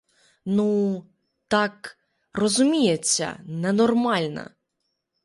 Ну, так, розуміється, ненормальна.